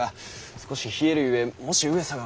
少し冷えるゆえもし上様が。